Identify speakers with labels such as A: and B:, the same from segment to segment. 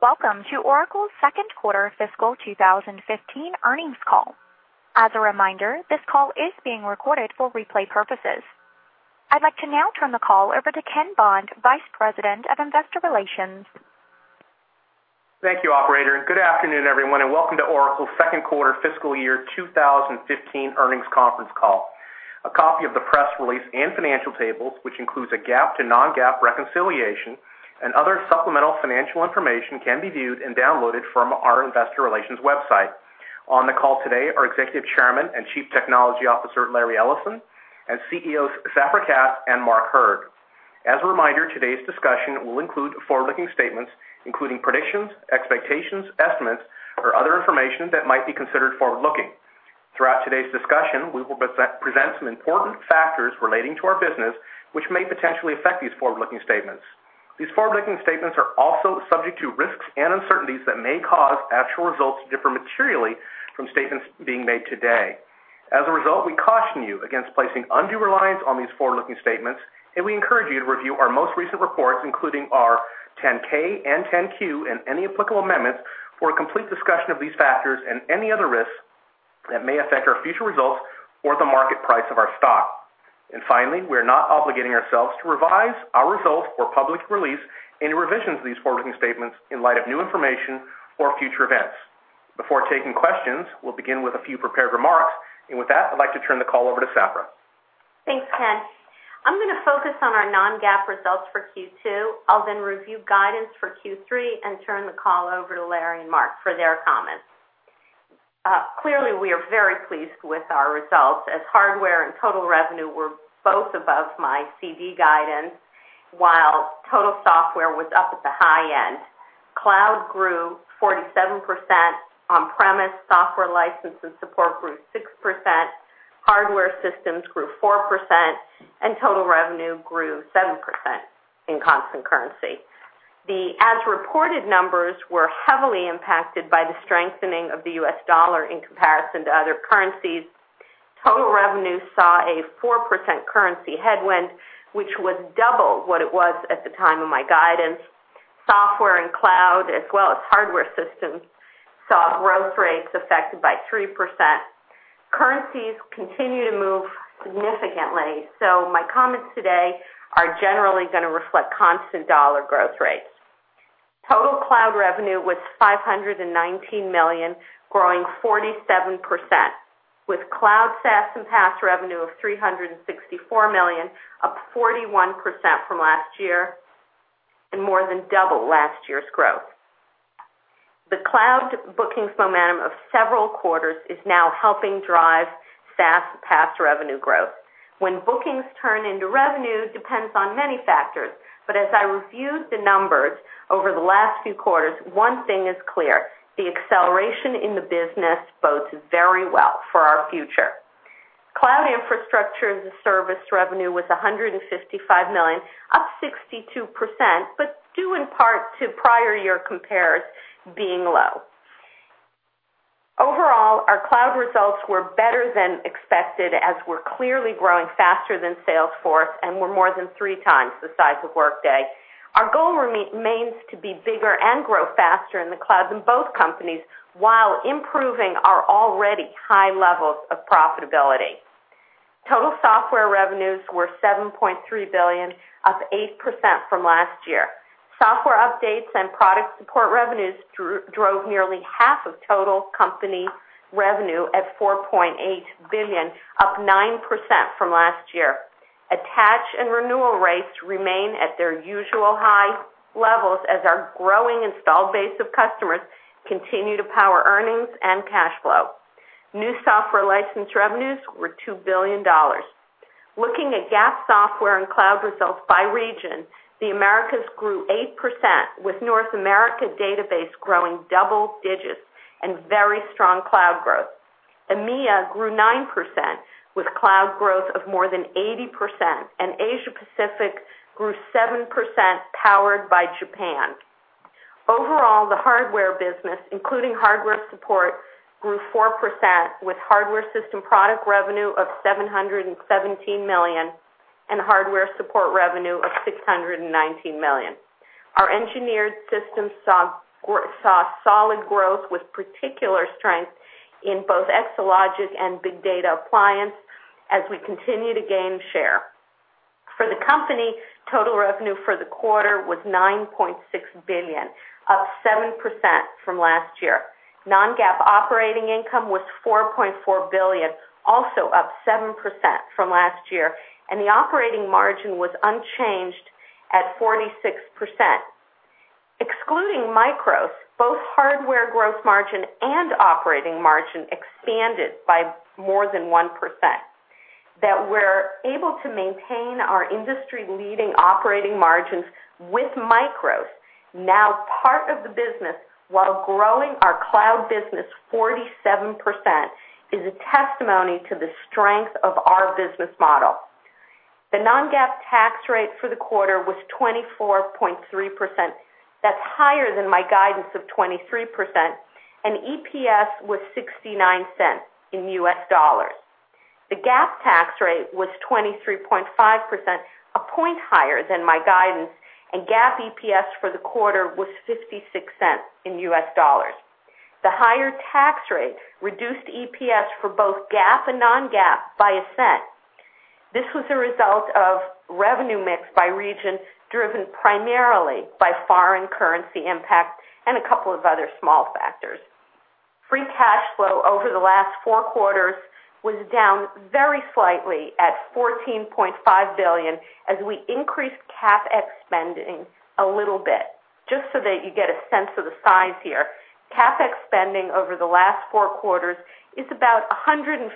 A: Welcome to Oracle's second quarter fiscal 2015 earnings call. As a reminder, this call is being recorded for replay purposes. I'd like to now turn the call over to Ken Bond, Vice President of Investor Relations.
B: Thank you, operator. Good afternoon, everyone, and welcome to Oracle's second quarter fiscal year 2015 earnings conference call. A copy of the press release and financial tables, which includes a GAAP to non-GAAP reconciliation and other supplemental financial information, can be viewed and downloaded from our investor relations website. On the call today are Executive Chairman and Chief Technology Officer, Larry Ellison, and CEOs Safra Catz and Mark Hurd. As a reminder, today's discussion will include forward-looking statements, including predictions, expectations, estimates, or other information that might be considered forward-looking. Throughout today's discussion, we will present some important factors relating to our business, which may potentially affect these forward-looking statements. These forward-looking statements are also subject to risks and uncertainties that may cause actual results to differ materially from statements being made today. As a result, we caution you against placing undue reliance on these forward-looking statements, and we encourage you to review our most recent reports, including our 10-K and 10-Q and any applicable amendments, for a complete discussion of these factors and any other risks that may affect our future results or the market price of our stock. Finally, we are not obligating ourselves to revise our results or public release any revisions to these forward-looking statements in light of new information or future events. Before taking questions, we'll begin with a few prepared remarks. With that, I'd like to turn the call over to Safra.
C: Thanks, Ken. I'm going to focus on our non-GAAP results for Q2. I'll then review guidance for Q3 and turn the call over to Larry and Mark for their comments. Clearly, we are very pleased with our results, as hardware and total revenue were both above my CD guidance, while total software was up at the high end. Cloud grew 47%, on-premise software license and support grew 6%, hardware systems grew 4%, and total revenue grew 7% in constant currency. The as-reported numbers were heavily impacted by the strengthening of the U.S. dollar in comparison to other currencies. Total revenue saw a 4% currency headwind, which was double what it was at the time of my guidance. Software and cloud, as well as hardware systems, saw growth rates affected by 3%. My comments today are generally going to reflect constant dollar growth rates. Total cloud revenue was $519 million, growing 47%, with cloud SaaS and PaaS revenue of $364 million, up 41% from last year, and more than double last year's growth. The cloud bookings momentum of several quarters is now helping drive SaaS and PaaS revenue growth. When bookings turn into revenue depends on many factors, but as I reviewed the numbers over the last few quarters, one thing is clear: The acceleration in the business bodes very well for our future. Cloud IaaS revenue was $155 million, up 62%, but due in part to prior year compares being low. Overall, our cloud results were better than expected, as we're clearly growing faster than salesforce.com, and we're more than 3 times the size of Workday. Our goal remains to be bigger and grow faster in the cloud than both companies while improving our already high levels of profitability. Total software revenues were $7.3 billion, up 8% from last year. Software updates and product support revenues drove nearly half of total company revenue at $4.8 billion, up 9% from last year. Attach and renewal rates remain at their usual high levels as our growing installed base of customers continue to power earnings and cash flow. New software license revenues were $2 billion. Looking at GAAP software and cloud results by region, the Americas grew 8%, with North America database growing double digits and very strong cloud growth. EMEA grew 9%, with cloud growth of more than 80%, and Asia-Pacific grew 7%, powered by Japan. Overall, the hardware business, including hardware support, grew 4%, with hardware system product revenue of $717 million and hardware support revenue of $619 million. Our engineered systems saw solid growth with particular strength in both Exalogic and Big Data Appliance as we continue to gain share. For the company, total revenue for the quarter was $9.6 billion, up 7% from last year. Non-GAAP operating income was $4.4 billion, also up 7% from last year, and the operating margin was unchanged at 46%. Excluding MICROS, both hardware growth margin and operating margin expanded by more than 1%. That we're able to maintain our industry-leading operating margins with MICROS, now part of the business, while growing our cloud business 47%, is a testimony to the strength of our business model. The non-GAAP tax rate for the quarter was 24.3%. That's higher than my guidance of 23%, and EPS was $0.69 in US dollars. The GAAP tax rate was 23.5%, a point higher than my guidance, and GAAP EPS for the quarter was $0.56 in US dollars. The higher tax rate reduced EPS for both GAAP and non-GAAP by $0.01. This was a result of revenue mix by region, driven primarily by foreign currency impact and a couple of other small factors. Free cash flow over the last four quarters was down very slightly at $14.5 billion as we increased CapEx spending a little bit. Just so that you get a sense of the size here, CapEx spending over the last four quarters is about $150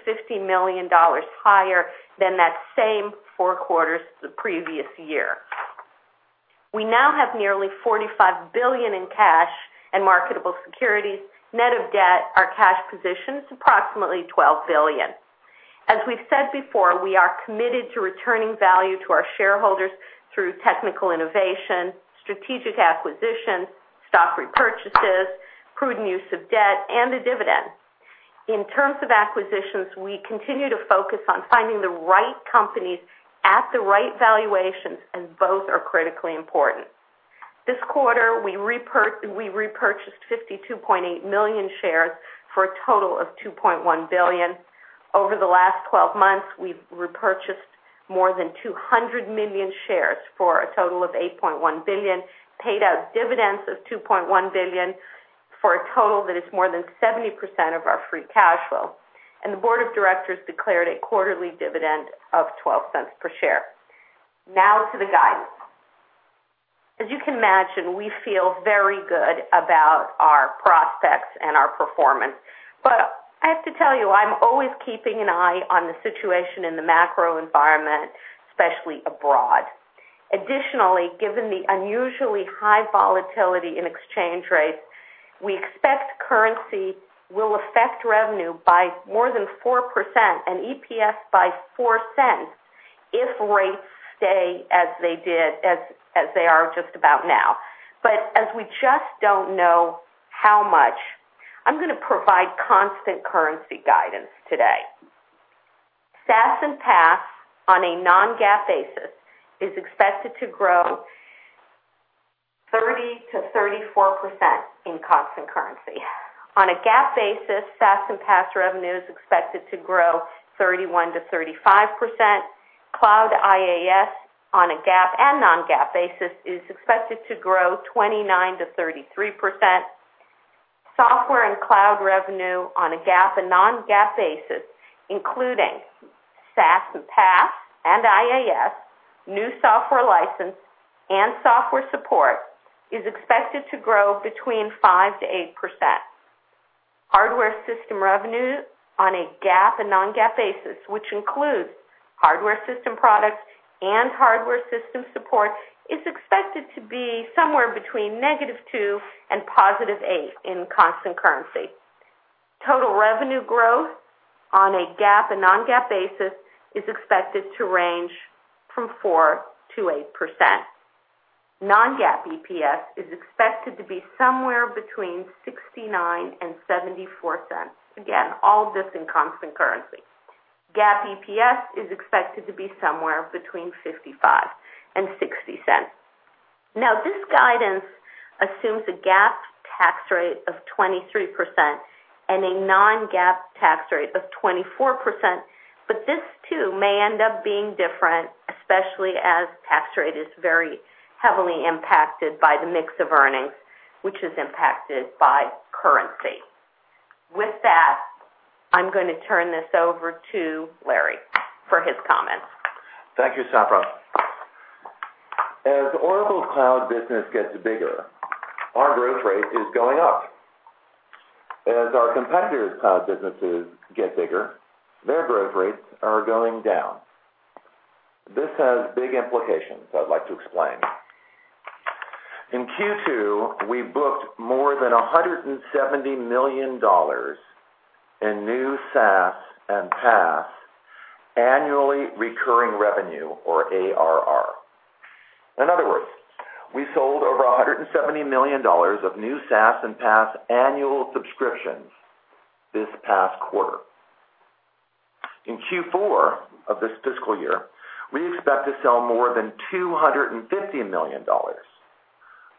C: million higher than that same four quarters the previous year. We now have nearly $45 billion in cash and marketable securities. Net of debt, our cash position is approximately $12 billion. As we've said before, we are committed to returning value to our shareholders through technical innovation, strategic acquisitions, stock repurchases, prudent use of debt, and a dividend. In terms of acquisitions, we continue to focus on finding the right companies at the right valuations, and both are critically important. This quarter, we repurchased 52.8 million shares for a total of $2.1 billion. Over the last 12 months, we've repurchased more than 200 million shares for a total of $8.1 billion, paid out dividends of $2.1 billion, for a total that is more than 70% of our free cash flow, and the board of directors declared a quarterly dividend of $0.12 per share. Now to the guidance. As you can imagine, we feel very good about our prospects and our performance. I have to tell you, I'm always keeping an eye on the situation in the macro environment, especially abroad. Additionally, given the unusually high volatility in exchange rates, we expect currency will affect revenue by more than 4% and EPS by $0.04 if rates stay as they are just about now. As we just don't know how much, I'm going to provide constant currency guidance today. SaaS and PaaS, on a non-GAAP basis, is expected to grow 30%-34% in constant currency. On a GAAP basis, SaaS and PaaS revenue is expected to grow 31%-35%. Cloud IaaS on a GAAP and non-GAAP basis is expected to grow 29%-33%. Software and cloud revenue on a GAAP and non-GAAP basis, including SaaS and PaaS and IaaS, new software license, and software support, is expected to grow between 5%-8%. Hardware system revenue on a GAAP and non-GAAP basis, which includes hardware system products and hardware system support, is expected to be somewhere between -2% and +8% in constant currency. Total revenue growth on a GAAP and non-GAAP basis is expected to range from 4%-8%. Non-GAAP EPS is expected to be somewhere between $0.69 and $0.74. Again, all of this in constant currency. GAAP EPS is expected to be somewhere between $0.55 and $0.60. This guidance assumes a GAAP tax rate of 23% and a non-GAAP tax rate of 24%, but this too may end up being different, especially as tax rate is very heavily impacted by the mix of earnings, which is impacted by currency. With that, I'm going to turn this over to Larry for his comments.
D: Thank you, Safra. As Oracle Cloud business gets bigger, our growth rate is going up. As our competitors' cloud businesses get bigger, their growth rates are going down. This has big implications I'd like to explain. In Q2, we booked more than $170 million in new SaaS and PaaS annually recurring revenue or ARR. In other words, we sold over $170 million of new SaaS and PaaS annual subscriptions this past quarter. In Q4 of this fiscal year, we expect to sell more than $250 million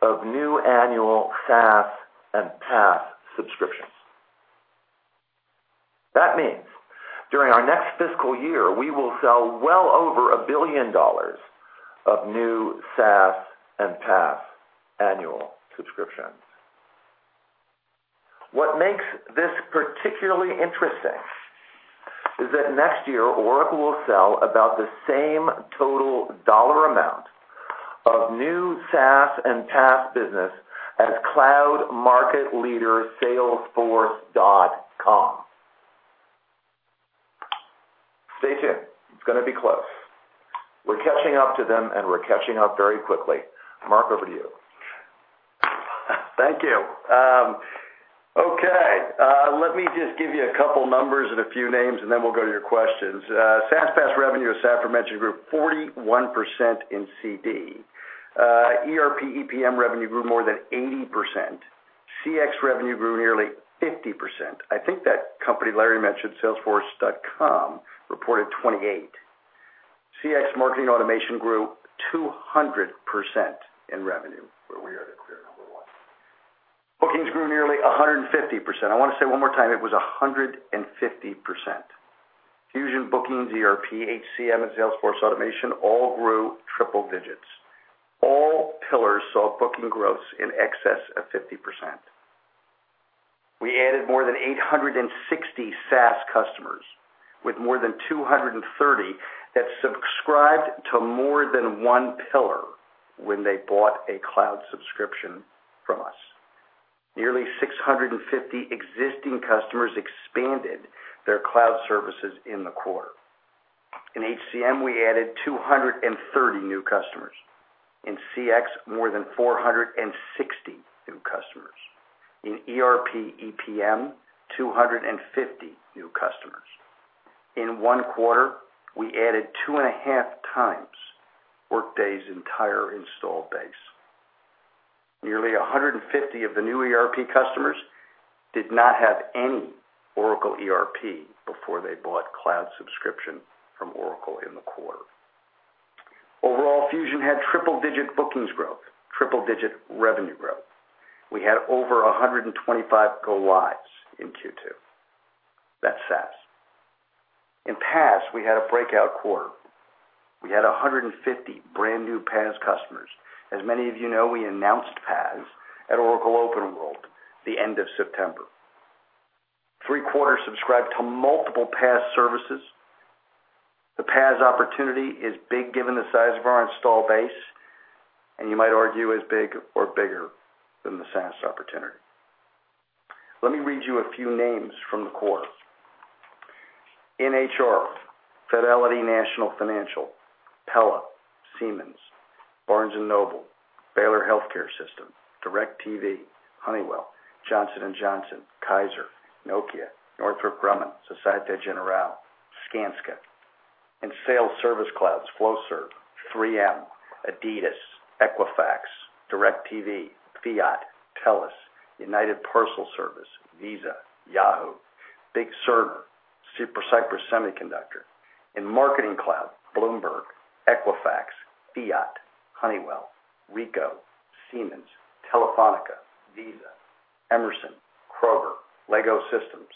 D: of new annual SaaS and PaaS subscriptions. That means during our next fiscal year, we will sell well over $1 billion of new SaaS and PaaS annual subscriptions. What makes this particularly interesting is that next year Oracle will sell about the same total dollar amount of new SaaS and PaaS business as cloud market leader salesforce.com. Stay tuned. It's going to be close. We're catching up to them, and we're catching up very quickly. Mark, over to you.
E: Thank you. Okay. Let me just give you a couple numbers and a few names, and then we'll go to your questions. SaaS, PaaS revenue, as Safra mentioned, grew 41% in CD. ERP/EPM revenue grew more than 80%. CX revenue grew nearly 50%. I think that company Larry mentioned, salesforce.com, reported 28. CX marketing automation grew 200% in revenue, where we are the clear number one. Bookings grew nearly 150%. I want to say one more time, it was 150%. Fusion bookings, ERP, HCM, and Salesforce automation all grew triple digits. All pillars saw booking growths in excess of 50%. We added more than 860 SaaS customers, with more than 230 that subscribed to more than one pillar when they bought a cloud subscription from us. Nearly 650 existing customers expanded their cloud services in the quarter. In HCM, we added 230 new customers. In CX, more than 460 new customers. In ERP/EPM, 250 new customers. In one quarter, we added two and a half times Workday's entire install base. Nearly 150 of the new ERP customers did not have any Oracle ERP before they bought cloud subscription from Oracle in the quarter. Overall, Fusion had triple-digit bookings growth, triple-digit revenue growth. We had over 125 go lives in Q2. That's SaaS. In PaaS, we had a breakout quarter. We had 150 brand-new PaaS customers. As many of you know, we announced PaaS at Oracle OpenWorld, the end of September. Three-quarters subscribed to multiple PaaS services. The PaaS opportunity is big given the size of our install base, and you might argue as big or bigger than the SaaS opportunity. Let me read you a few names from the quarter. In HR, Fidelity National Financial, Pella, Siemens, Barnes & Noble, Baylor Scott & White Health, DirecTV, Honeywell, Johnson & Johnson, Kaiser, Nokia, Northrop Grumman, Société Générale, Skanska. In sales service clouds, Flowserve, 3M, Adidas, Equifax, DirecTV, Fiat, TELUS, United Parcel Service, Visa, Yahoo, BITZER, Cypress Semiconductor. In marketing cloud, Bloomberg, Equifax, Fiat, Honeywell, Ricoh, Siemens, Telefónica, Visa, Emerson, Kroger, LEGO Systems.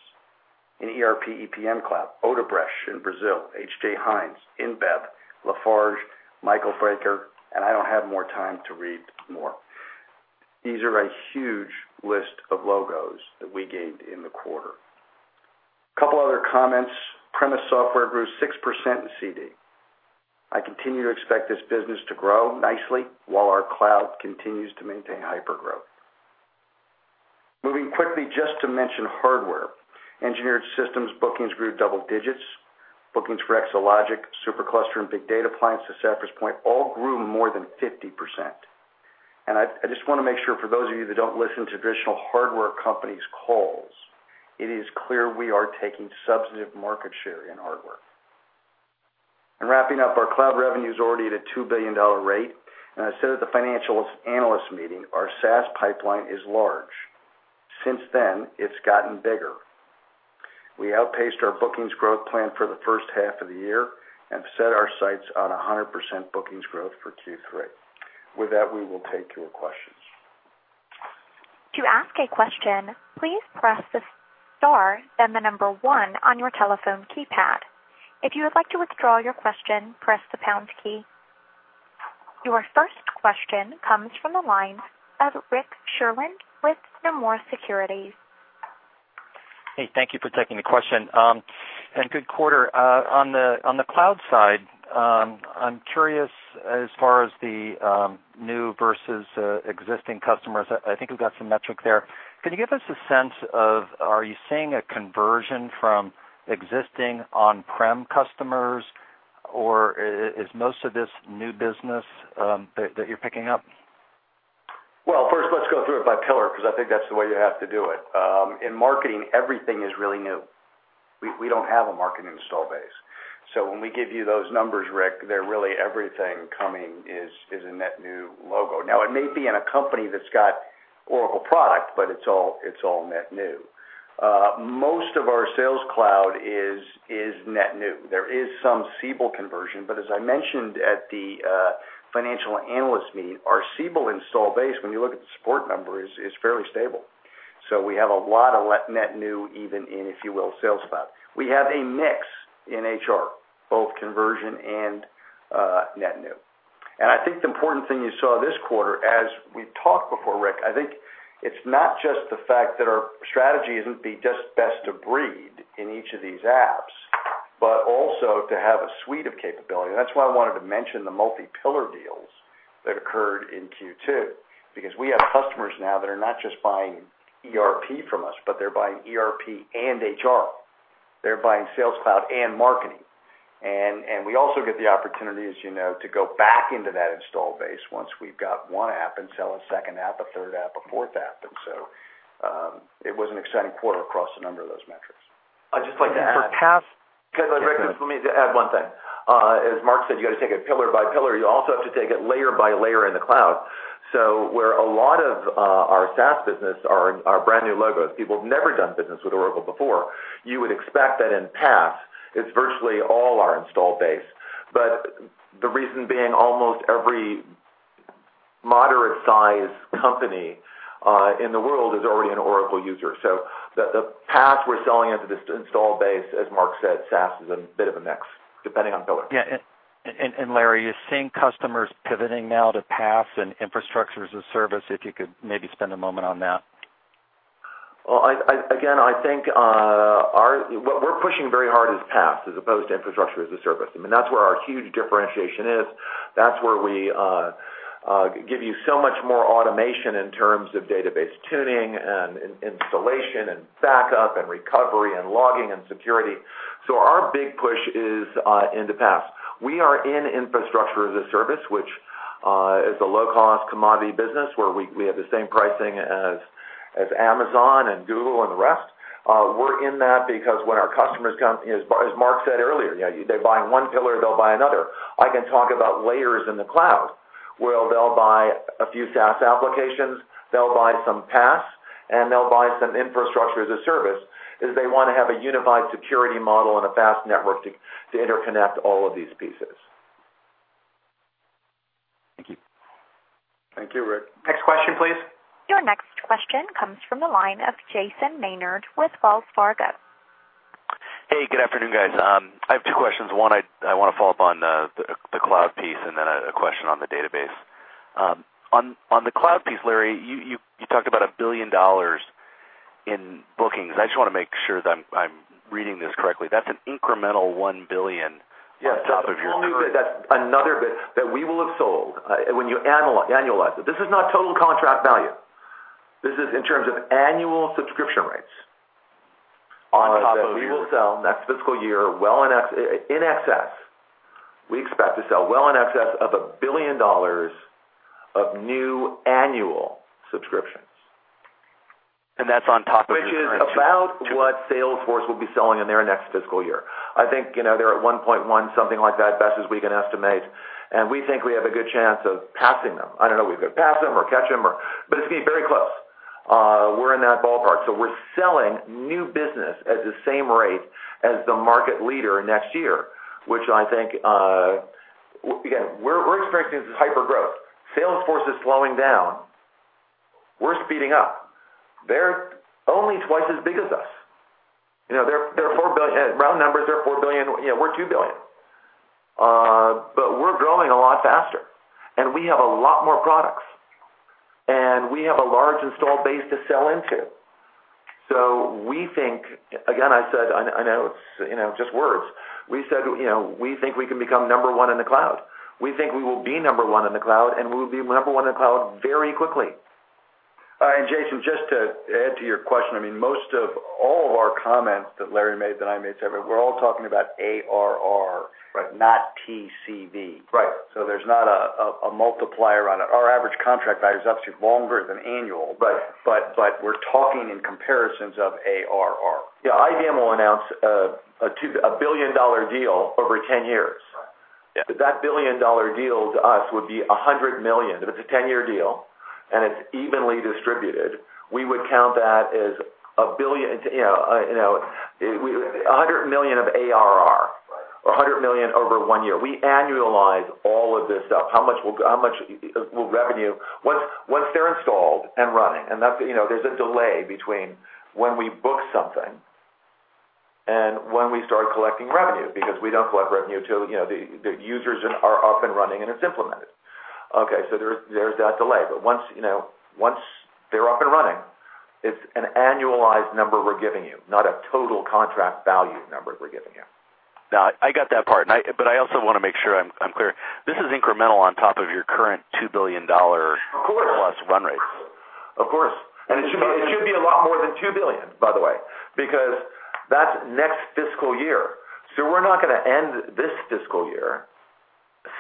E: In ERP/EPM Cloud, Odebrecht in Brazil, H.J. Heinz, InBev, Lafarge, Michael Baker. I don't have more time to read more. These are a huge list of logos that we gained in the quarter. Couple other comments. Premise software grew 6% in CD. I continue to expect this business to grow nicely while our cloud continues to maintain hypergrowth. Moving quickly just to mention hardware. Engineered systems bookings grew double digits. Bookings for Exalogic, Supercluster, and Big Data Appliance to Safra's point all grew more than 50%. I just want to make sure for those of you that don't listen to traditional hardware companies' calls, it is clear we are taking substantive market share in hardware. In wrapping up, our cloud revenue's already at a $2 billion rate. As I said at the financial analyst meeting, our SaaS pipeline is large. Since then, it's gotten bigger. We outpaced our bookings growth plan for the first half of the year and set our sights on 100% bookings growth for Q3. With that, we will take your questions.
A: To ask a question, please press the star, then the number 1 on your telephone keypad. If you would like to withdraw your question, press the pound key. Your first question comes from the line of Rick Sherlund with Nomura Securities.
F: Thank you for taking the question, good quarter. On the cloud side, I'm curious, as far as the new versus existing customers, I think you've got some metric there. Can you give us a sense of, are you seeing a conversion from existing on-prem customers, or is most of this new business that you're picking up?
E: Well, first, let's go through it by pillar, because I think that's the way you have to do it. In marketing, everything is really new. We don't have a marketing install base. When we give you those numbers, Rick, they're really everything coming is a net new logo. Now, it may be in a company that's got Oracle product, but it's all net new. Most of our sales cloud is net new. There is some Siebel conversion, but as I mentioned at the financial analyst meeting, our Siebel install base, when you look at the support numbers, is fairly stable. We have a lot of net new even in, if you will, sales cloud. We have a mix in HR, both conversion and net new. I think the important thing you saw this quarter as we've talked before, Rick, I think it's not just the fact that our strategy isn't be just best of breed in each of these apps, but also to have a suite of capability. That's why I wanted to mention the multi-pillar deals that occurred in Q2, because we have customers now that are not just buying ERP from us, but they're buying ERP and HR. They're buying sales cloud and marketing. We also get the opportunity, as you know, to go back into that install base once we've got one app and sell a second app, a third app, a fourth app. So, it was an exciting quarter across a number of those metrics.
D: I'd just like to add. For PaaS. Go ahead, Rick. Let me just add one thing. As Mark said, you got to take it pillar by pillar. You also have to take it layer by layer in the cloud. Where a lot of our SaaS business are brand new logos, people who've never done business with Oracle before, you would expect that in PaaS, it's virtually all our install base. The reason being almost every moderate size company in the world is already an Oracle user. The PaaS we're selling into this install base, as Mark said, SaaS is a bit of a mix, depending on pillar.
F: Larry, you're seeing customers pivoting now to PaaS and infrastructure as a service, if you could maybe spend a moment on that.
D: Well, again, I think what we're pushing very hard is PaaS, as opposed to infrastructure as a service. That's where our huge differentiation is. That's where we give you so much more automation in terms of database tuning and installation and backup and recovery and logging and security. Our big push is into PaaS. We are in infrastructure as a service, which is a low-cost commodity business where we have the same pricing as Amazon and Google and the rest. We're in that because when our customers come, as Mark said earlier, they buy one pillar, they'll buy another. I can talk about layers in the cloud, where they'll buy a few SaaS applications, they'll buy some PaaS, and they'll buy some infrastructure as a service, as they want to have a unified security model and a fast network to interconnect all of these pieces.
F: Thank you.
D: Thank you, Rick.
A: Next question, please. Your next question comes from the line of Jason Maynard with Wells Fargo.
G: Hey, good afternoon, guys. I have two questions. One, I want to follow up on the cloud piece and then a question on the database. On the cloud piece, Larry, you talked about $1 billion in bookings. I just want to make sure that I'm reading this correctly. That's an incremental $1 billion on top of your-
D: Yes. That's another $1 billion that we will have sold when you annualize it. This is not total contract value. This is in terms of annual subscription rates.
G: On top of your-
D: That we will sell next fiscal year, in excess, we expect to sell well in excess of $1 billion of new annual subscriptions.
G: That's on top of your current-
D: Which is about what Salesforce will be selling in their next fiscal year. I think they're at $1.1 billion, something like that, best as we can estimate. We think we have a good chance of passing them. I don't know if we could pass them or catch them. It's going to be very close. We're in that ballpark. We're selling new business at the same rate as the market leader next year, which I think, again, we're experiencing this hypergrowth. Salesforce is slowing down. We're speeding up. They're only twice as big as us. Round numbers, they're $4 billion, we're $2 billion. We're growing a lot faster, and we have a lot more products. We have a large install base to sell into. We think, again, I said, I know it's just words. We said we think we can become number one in the cloud. We think we will be number one in the cloud, and we will be number one in the cloud very quickly.
E: Jason, just to add to your question, most of all of our comments that Larry made, that I made today, we're all talking about ARR- Right
F: not TCV.
E: Right.
F: There's not a multiplier on it. Our average contract value is obviously longer than annual-
E: Right
F: we're talking in comparisons of ARR.
D: Yeah, IBM will announce a billion-dollar deal over 10 years.
G: Right. Yeah.
D: That billion-dollar deal to us would be $100 million. If it's a 10-year deal and it's evenly distributed, we would count that as $100 million of ARR.
G: Right.
D: 100 million over one year. We annualize all of this stuff. Once they're installed and running, and there's a delay between when we book something and when we start collecting revenue, because we don't collect revenue till the users are up and running, and it's implemented. There's that delay. Once they're up and running, it's an annualized number we're giving you, not a total contract value number we're giving you.
G: I got that part. I also want to make sure I'm clear. This is incremental on top of your current $2 billion-
D: Of course
G: plus run rates.
D: It should be a lot more than $2 billion, by the way, because that's next fiscal year. We're not going to end this fiscal year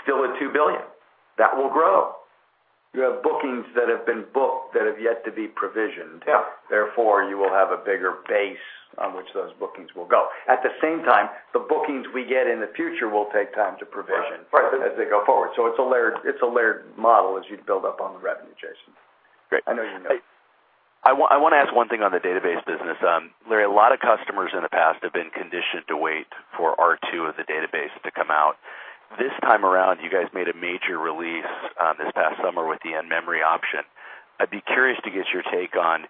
D: still at $2 billion. That will grow.
E: You have bookings that have been booked that have yet to be provisioned.
D: Yeah.
E: Therefore, you will have a bigger base on which those bookings will go. At the same time, the bookings we get in the future will take time to provision. Right As they go forward. It's a layered model as you build up on the revenue, Jason. Great. I know you know that.
G: I want to ask one thing on the database business. Larry, a lot of customers in the past have been conditioned to wait for R2 of the database to come out. This time around, you guys made a major release this past summer with the in-memory option. I'd be curious to get your take on,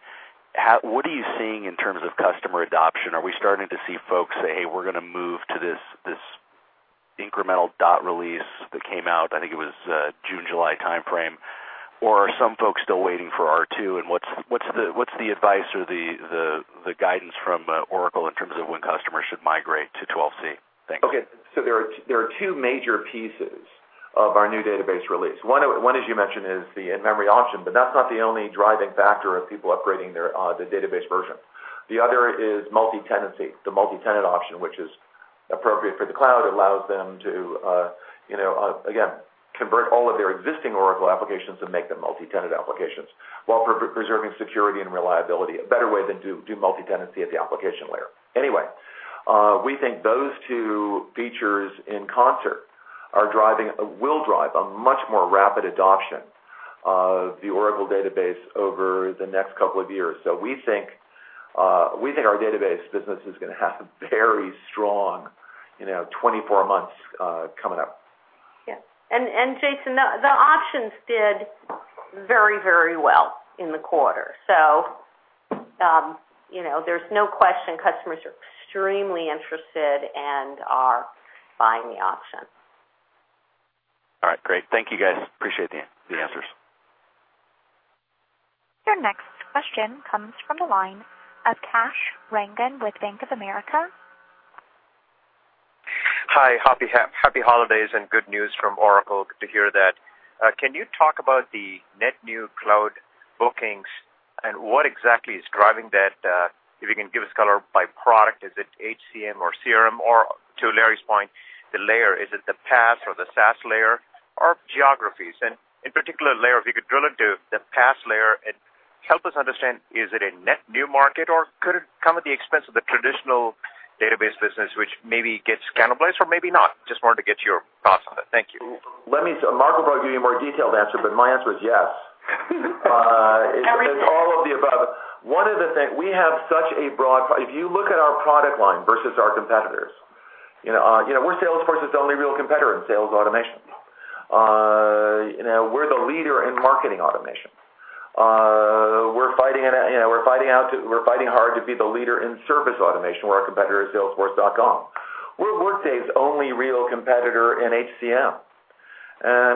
G: what are you seeing in terms of customer adoption? Are we starting to see folks say, "Hey, we're going to move to this incremental dot release that came out," I think it was June, July timeframe, or are some folks still waiting for R2? What's the advice or the guidance from Oracle in terms of when customers should migrate to 12c? Thanks.
D: Okay. There are two major pieces of our new database release. One, as you mentioned, is the in-memory option, but that's not the only driving factor of people upgrading the database version. The other is multi-tenancy, the multi-tenant option, which is appropriate for the cloud, allows them to, again, convert all of their existing Oracle applications and make them multi-tenant applications while preserving security and reliability, a better way than do multi-tenancy at the application layer. We think those two features in concert will drive a much more rapid adoption of the Oracle database over the next couple of years. We think our database business is going to have a very strong 24 months coming up.
E: Yes. Jason, the options did very well in the quarter. There's no question customers are extremely interested and are buying the option.
G: All right. Great. Thank you, guys. Appreciate the answers.
A: Your next question comes from the line of Kash Rangan with Bank of America.
H: Hi. Happy holidays and good news from Oracle. Good to hear that. Can you talk about the net new cloud bookings and what exactly is driving that? If you can give us color by product, is it HCM or CRM? To Larry's point, the layer, is it the PaaS or the SaaS layer? Geographies? In particular, layer, if you could drill into the PaaS layer and help us understand, is it a net new market or could it come at the expense of the traditional database business, which maybe gets cannibalized or maybe not? Just wanted to get your thoughts on that. Thank you.
D: Mark will probably give you a more detailed answer, but my answer is yes.
E: Everything. It's all of the above. We have such a broad. If you look at our product line versus our competitors, we're salesforce.com's only real competitor in sales automation. We're the leader in marketing automation. We're fighting hard to be the leader in service automation, where our competitor is salesforce.com. We're Workday's only real competitor in HCM.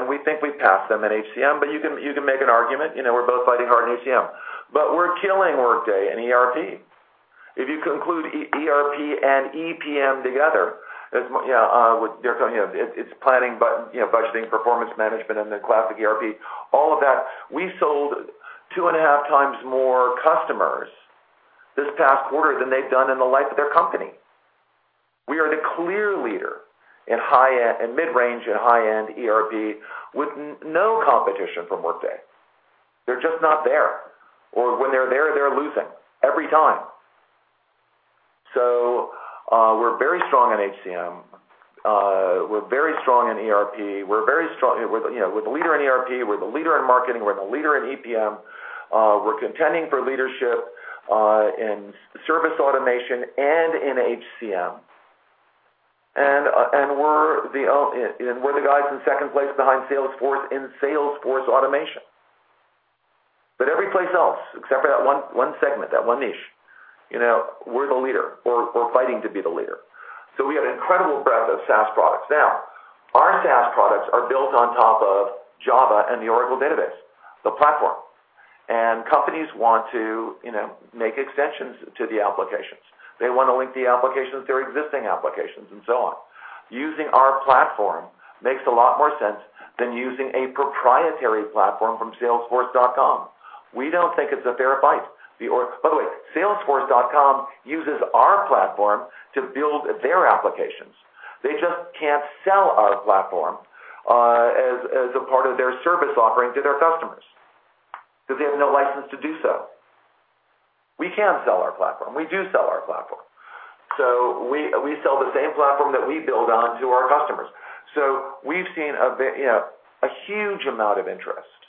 E: We think we pass them in HCM. You can make an argument, we're both fighting hard in HCM. We're killing Workday in ERP. If you conclude ERP and EPM together, it's planning, budgeting, performance management, and the classic ERP, all of that, we sold two and a half times more customers this past quarter than they've done in the life of their company. We are the clear leader in mid-range and high-end ERP with no competition from Workday. They're just not there. When they're there, they're losing every time.
D: We're very strong in HCM. We're very strong in ERP. We're the leader in ERP. We're the leader in marketing. We're the leader in EPM. We're contending for leadership in service automation and in HCM. We're the guys in second place behind salesforce.com in sales force automation. Every place else, except for that one segment, that one niche, we're the leader, or fighting to be the leader. We have an incredible breadth of SaaS products. Our SaaS products are built on top of Java and the Oracle Database, the platform. Companies want to make extensions to the applications. They want to link the applications to their existing applications and so on. Using our platform makes a lot more sense than using a proprietary platform from salesforce.com. We don't think it's a fair fight. By the way, salesforce.com uses our platform to build their applications. They just can't sell our platform as a part of their service offering to their customers because they have no license to do so. We can sell our platform. We do sell our platform. We sell the same platform that we build on to our customers. We've seen a huge amount of interest,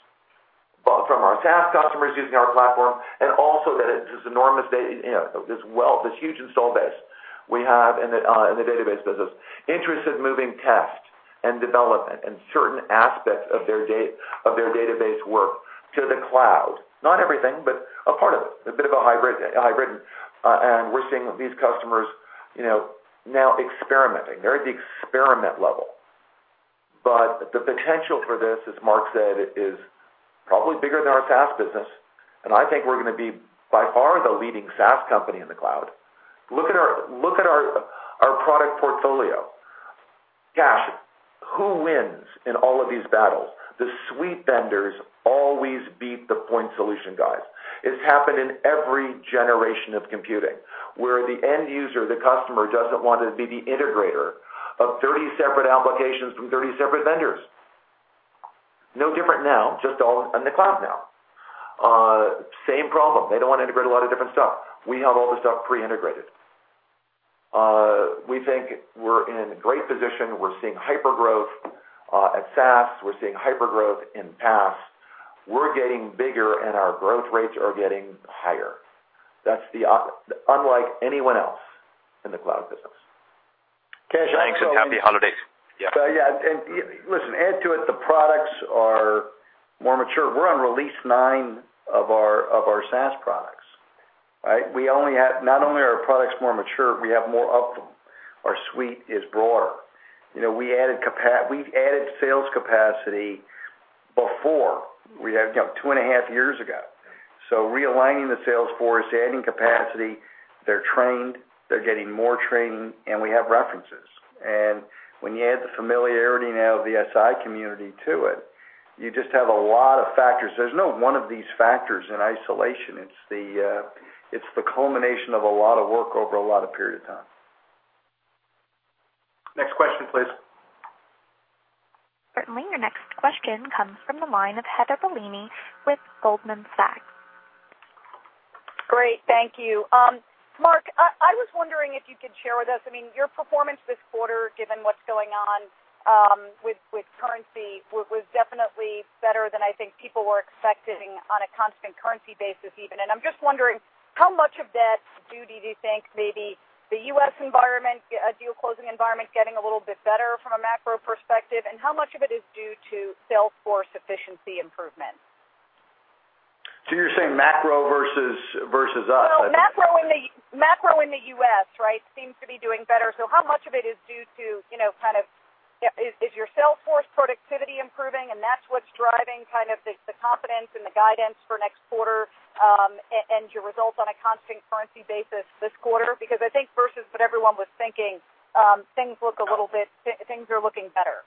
D: both from our SaaS customers using our platform and also that it's this enormous, this huge install base we have in the database business, interested in moving test and development and certain aspects of their database work to the cloud. Not everything, but a part of it, a bit of a hybrid. We're seeing these customers now experimenting. They're at the experiment level. The potential for this, as Mark said, is probably bigger than our SaaS business. I think we're going to be by far the leading SaaS company in the cloud. Look at our product portfolio. Kash, who wins in all of these battles? The suite vendors always beat the point solution guys. It's happened in every generation of computing, where the end user, the customer, doesn't want to be the integrator of 30 separate applications from 30 separate vendors. No different now, just all in the cloud now. Same problem. They don't want to integrate a lot of different stuff. We have all the stuff pre-integrated. We think we're in a great position. We're seeing hypergrowth at SaaS. We're seeing hypergrowth in PaaS. We're getting bigger and our growth rates are getting higher. Unlike anyone else in the cloud business.
H: Thanks and happy holidays. Yeah.
E: Yeah. Yeah. Listen, add to it, the products are more mature. We're on release nine of our SaaS products. Right? Not only are our products more mature, we have more of them. Our suite is broader. We added sales capacity before. Two and a half years ago. Realigning the sales force, adding capacity, they're trained, they're getting more training, and we have references. When you add the familiarity now of the SI community to it.
D: You just have a lot of factors. There's no one of these factors in isolation. It's the culmination of a lot of work over a lot of period of time.
A: Next question, please. Certainly. Your next question comes from the line of Heather Bellini with Goldman Sachs.
I: Great. Thank you. Mark, I was wondering if you could share with us, your performance this quarter, given what's going on with currency, was definitely better than I think people were expecting on a constant currency basis even. I'm just wondering how much of that is due do you think maybe the U.S. deal closing environment getting a little bit better from a macro perspective, and how much of it is due to sales force efficiency improvement?
E: You're saying macro versus us?
I: No, macro in the U.S., right, seems to be doing better. How much of it is due to kind of, is your sales force productivity improving and that's what's driving the confidence in the guidance for next quarter, and your results on a constant currency basis this quarter? I think versus what everyone was thinking, things are looking better.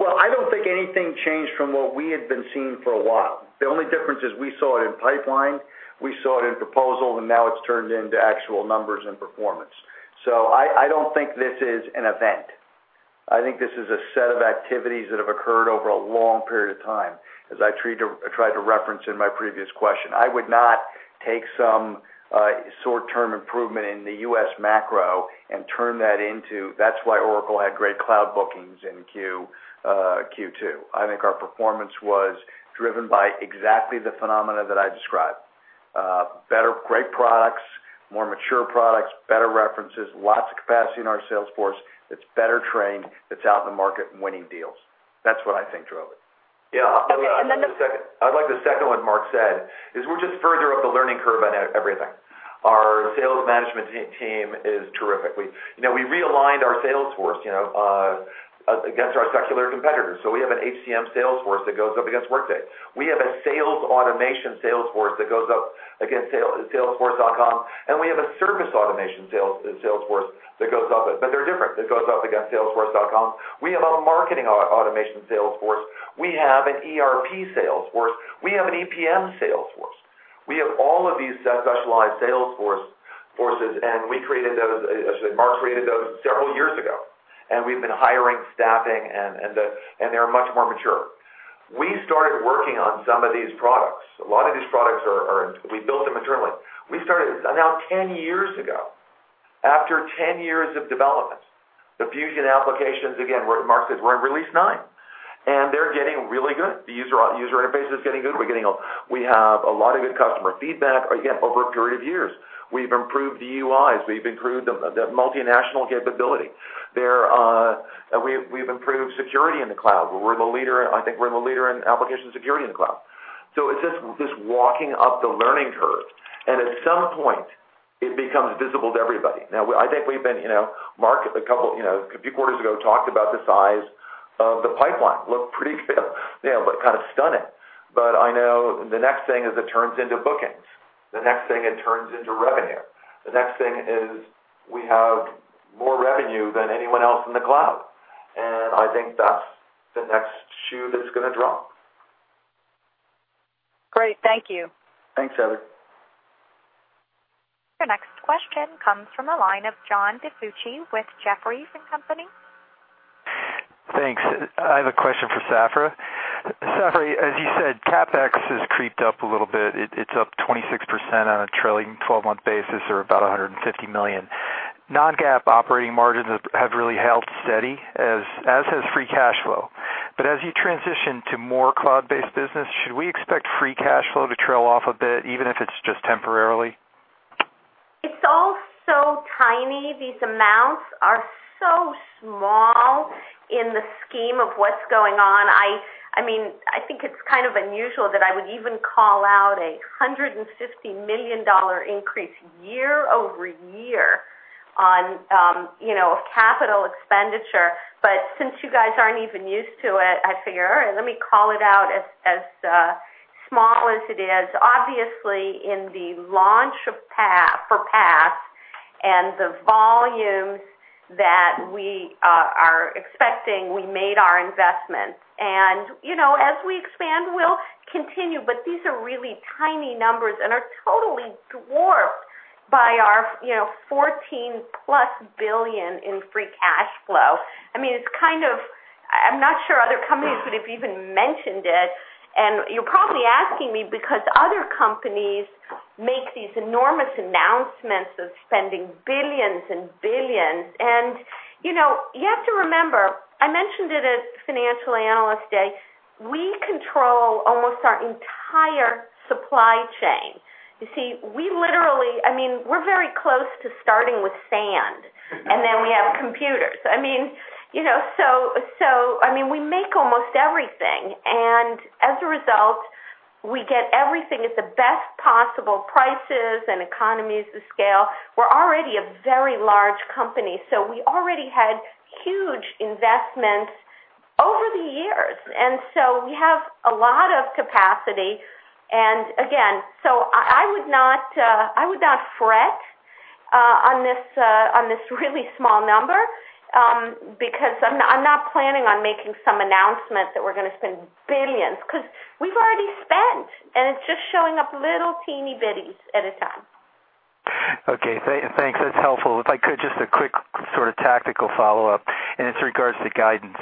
E: I don't think anything changed from what we had been seeing for a while. The only difference is we saw it in pipeline, we saw it in proposal. Now it's turned into actual numbers and performance. I don't think this is an event. I think this is a set of activities that have occurred over a long period of time, as I tried to reference in my previous question. I would not take some short-term improvement in the U.S. macro and turn that into, "That's why Oracle had great cloud bookings in Q2." I think our performance was driven by exactly the phenomena that I described. Great products, more mature products, better references, lots of capacity in our sales force, that's better trained, that's out in the market and winning deals. That's what I think drove it.
D: Yeah. Okay, and then the- I'd like to second what Mark said, is we're just further up the learning curve on everything. Our sales management team is terrific. We realigned our sales force against our secular competitors. We have an HCM sales force that goes up against Workday. We have a sales automation sales force that goes up against salesforce.com. We have a service automation sales force that goes up, but they're different, that goes up against salesforce.com. We have a marketing automation sales force. We have an ERP sales force. We have an EPM sales force. We have all of these specialized sales forces. Mark created those several years ago. We've been hiring, staffing, and they are much more mature. We started working on some of these products. A lot of these products, we built them internally. We started now 10 years ago. After 10 years of development, the Fusion applications, again, Mark says we're in release nine. They're getting really good. The user interface is getting good. We have a lot of good customer feedback, again, over a period of years. We've improved the UIs, we've improved the multinational capability. We've improved security in the cloud. I think we're the leader in application security in the cloud. It's just walking up the learning curve. At some point it becomes visible to everybody. Now, Mark, a few quarters ago, talked about the size of the pipeline. Looked pretty good, but kind of stunning. I know the next thing is it turns into bookings. The next thing, it turns into revenue. The next thing is we have more revenue than anyone else in the cloud, I think that's the next shoe that's going to drop.
I: Great. Thank you.
D: Thanks, Heather.
A: Your next question comes from the line of John DiFucci with Jefferies & Company.
J: Thanks. I have a question for Safra. Safra, as you said, CapEx has creeped up a little bit. It's up 26% on a trailing 12-month basis or about $150 million. non-GAAP operating margins have really held steady, as has free cash flow. As you transition to more cloud-based business, should we expect free cash flow to trail off a bit, even if it's just temporarily?
C: It's all so tiny. These amounts are so small in the scheme of what's going on. I think it's kind of unusual that I would even call out a $150 million increase year-over-year on capital expenditure. Since you guys aren't even used to it, I figure, all right, let me call it out as small as it is. Obviously, in the launch for PaaS and the volumes that we are expecting, we made our investments. As we expand, we'll continue. These are really tiny numbers and are totally dwarfed by our $14-plus billion in free cash flow. I'm not sure other companies would've even mentioned it, and you're probably asking me because other companies make these enormous announcements of spending billions and billions. You have to remember, I mentioned it at Financial Analyst Day, we control almost our entire supply chain. You see, we're very close to starting with sand, then we have computers. We make almost everything, as a result, we get everything at the best possible prices and economies of scale. We're already a very large company, we already had huge investments over the years, so we have a lot of capacity. Again, I would not fret on this really small number, because I'm not planning on making some announcement that we're going to spend billions, because we've already spent, and it's just showing up little teeny bitties at a time.
J: Okay. Thanks. That's helpful. If I could, just a quick sort of tactical follow-up, and it's in regards to guidance.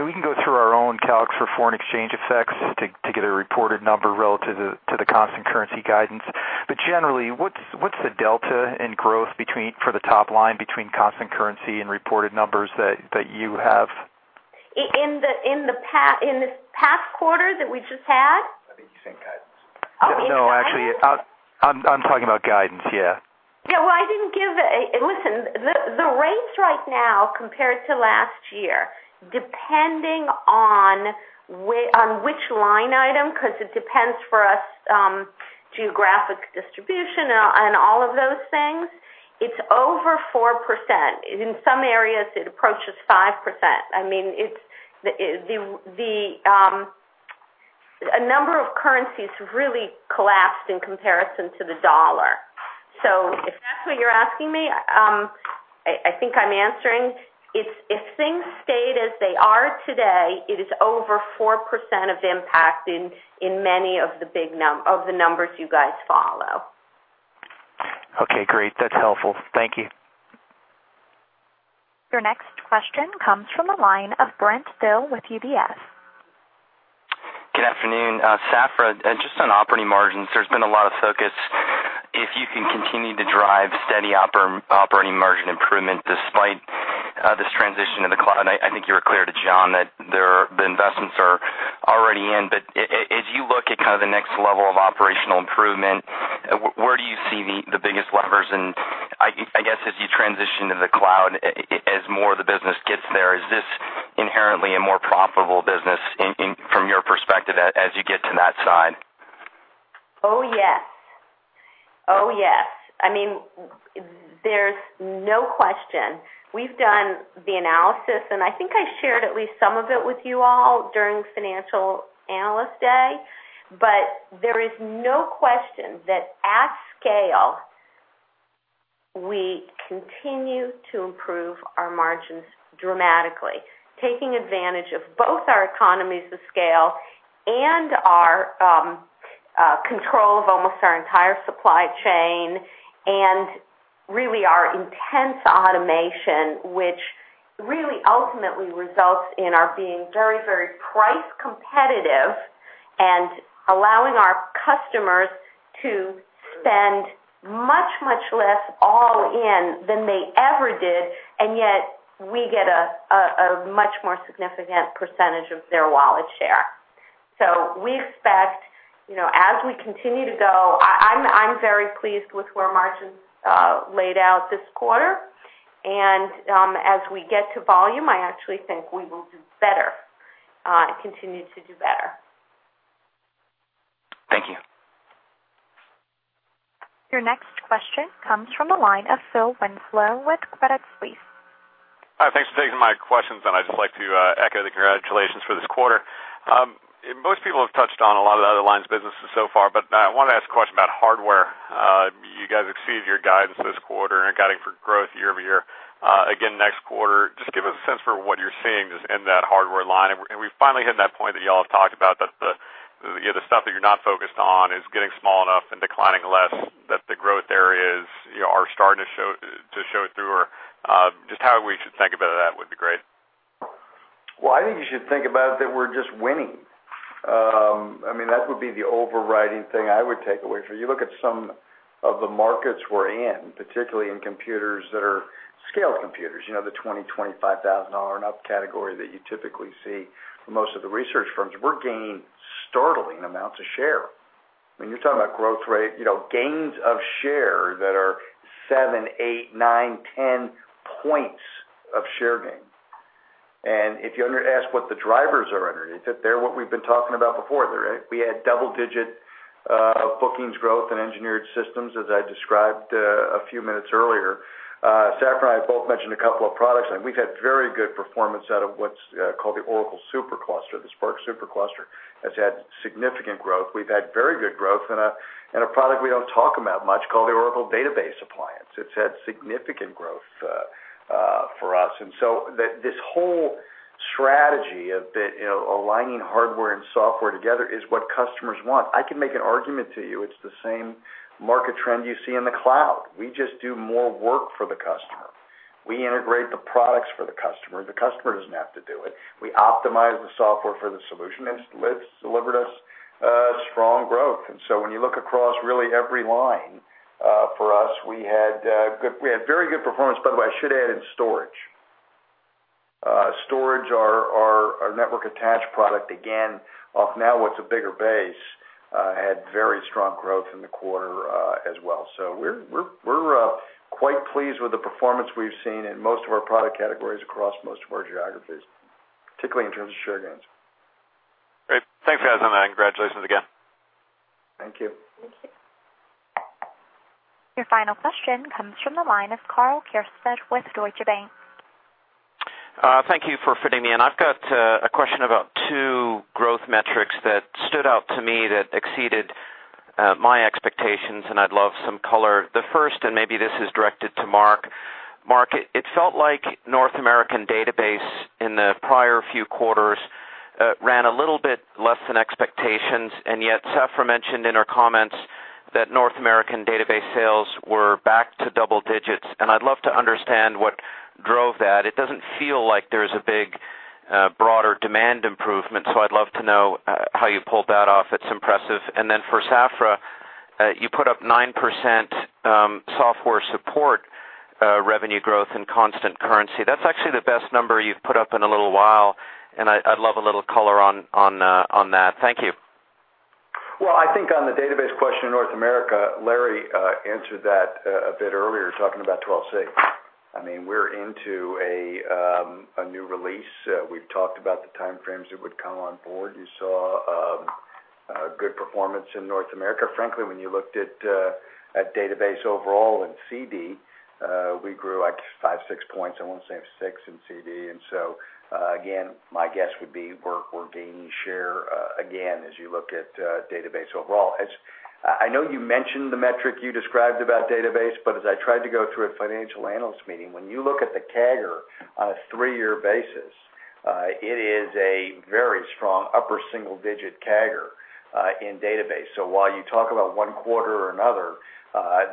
J: We can go through our own calcs for foreign exchange effects to get a reported number relative to the constant currency guidance. Generally, what's the delta in growth for the top line between constant currency and reported numbers that you have?
C: In this past quarter that we just had?
E: I think he's saying guidance.
J: No, actually, I'm talking about guidance, yeah.
C: Listen, the rates right now compared to last year, depending on which line item, because it depends for us geographic distribution and all of those things, it's over 4%. In some areas, it approaches 5%. A number of currencies really collapsed in comparison to the dollar. If that's what you're asking me, I think I'm answering. If things stay as they are today, it is over 4% of impact in many of the numbers you guys follow.
J: Okay, great. That's helpful. Thank you.
A: Your next question comes from the line of Brent Thill with UBS.
K: Good afternoon. Safra, just on operating margins, there's been a lot of focus if you can continue to drive steady operating margin improvement despite this transition to the cloud. I think you were clear to John that the investments are already in. As you look at kind of the next level of operational improvement, where do you see the biggest levers? I guess as you transition to the cloud, as more of the business gets there, is this inherently a more profitable business from your perspective as you get to that side?
C: Oh, yes. There's no question. We've done the analysis, and I think I shared at least some of it with you all during Financial Analyst Day. There is no question that at scale, we continue to improve our margins dramatically, taking advantage of both our economies of scale and our control of almost our entire supply chain, and really our intense automation, which really ultimately results in our being very price competitive and allowing our customers to spend much less all in than they ever did, and yet we get a much more significant percentage of their wallet share. I'm very pleased with where margins laid out this quarter. As we get to volume, I actually think we will do better and continue to do better.
K: Thank you.
A: Your next question comes from the line of Phil Winslow with Credit Suisse.
L: Hi, thanks for taking my questions, I'd just like to echo the congratulations for this quarter. Most people have touched on a lot of the other lines businesses so far, but I want to ask a question about hardware. You guys exceeded your guidance this quarter and are guiding for growth year-over-year again next quarter. Just give us a sense for what you're seeing just in that hardware line. We've finally hit that point that you all have talked about, that the stuff that you're not focused on is getting small enough and declining less, that the growth areas are starting to show through, or just how we should think about that would be great.
E: Well, I think you should think about that we're just winning. That would be the overriding thing I would take away. If you look at some of the markets we're in, particularly in computers that are scale computers, the $20,000, $25,000 and up category that you typically see for most of the research firms, we're gaining startling amounts of share. When you're talking about growth rate, gains of share that are 7, 8, 9, 10 points of share gain. If you ask what the drivers are underneath it, they're what we've been talking about before. We had double-digit bookings growth in engineered systems, as I described a few minutes earlier. Safra and I both mentioned a couple of products, and we've had very good performance out of what's called the Oracle SuperCluster. The SPARC SuperCluster has had significant growth. We've had very good growth in a product we don't talk about much called the Oracle Database Appliance. It's had significant growth for us. This whole strategy of aligning hardware and software together is what customers want. I can make an argument to you, it's the same market trend you see in the cloud. We just do more work for the customer. We integrate the products for the customer. The customer doesn't have to do it. We optimize the software for the solution, and it's delivered us strong growth. When you look across really every line for us, we had very good performance. By the way, I should add in storage. Storage, our network attached product, again, off now what's a bigger base, had very strong growth in the quarter as well. We're quite pleased with the performance we've seen in most of our product categories across most of our geographies, particularly in terms of share gains.
L: Great. Thanks, guys, and congratulations again.
E: Thank you.
C: Thank you.
A: Your final question comes from the line of Karl Keirstead with Deutsche Bank.
M: Thank you for fitting me in. I've got a question about two growth metrics that stood out to me that exceeded my expectations, and I'd love some color. The first, maybe this is directed to Mark. Mark, it felt like North American database in the prior few quarters ran a little bit less than expectations, yet Safra mentioned in her comments that North American database sales were back to double digits, and I'd love to understand what drove that. It doesn't feel like there's a big, broader demand improvement, so I'd love to know how you pulled that off. It's impressive. For Safra, you put up 9% software support revenue growth in constant currency. That's actually the best number you've put up in a little while, and I'd love a little color on that. Thank you.
E: Well, I think on the database question in North America, Larry answered that a bit earlier, talking about 12c. We're into a new release. We've talked about the time frames that would come on board. You saw good performance in North America. Frankly, when you looked at database overall in CD, we grew five, six points, I want to say six in CD. Again, my guess would be we're gaining share again as you look at database overall. I know you mentioned the metric you described about database, but as I tried to go through a financial analyst meeting, when you look at the CAGR on a three-year basis, it is a very strong upper single-digit CAGR in database. While you talk about one quarter or another,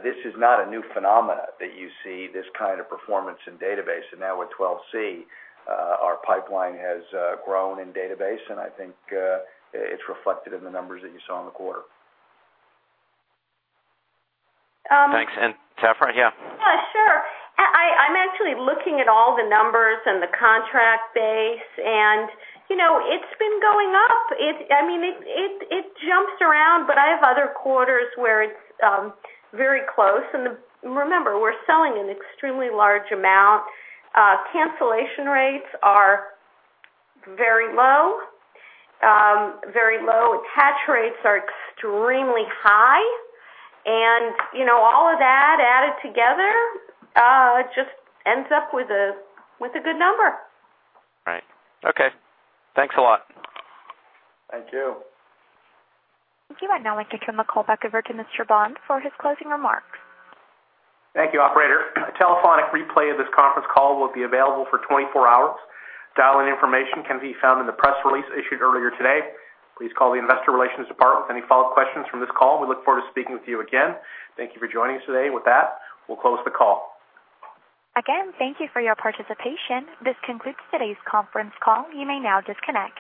E: this is not a new phenomena that you see this kind of performance in database. Now with 12c, our pipeline has grown in database, and I think it's reflected in the numbers that you saw in the quarter.
M: Thanks. Safra, yeah.
C: Yeah, sure. I'm actually looking at all the numbers and the contract base and it's been going up. It jumps around, but I have other quarters where it's very close. Remember, we're selling an extremely large amount. Cancellation rates are very low. Attach rates are extremely high. All of that added together, just ends up with a good number.
M: Right. Okay. Thanks a lot.
E: Thank you.
A: Thank you. I'd now like to turn the call back over to Mr. Bond for his closing remarks.
B: Thank you, operator. A telephonic replay of this conference call will be available for 24 hours. Dial-in information can be found in the press release issued earlier today. Please call the investor relations department with any follow-up questions from this call. We look forward to speaking with you again. Thank you for joining us today. With that, we'll close the call.
A: Again, thank you for your participation. This concludes today's conference call. You may now disconnect.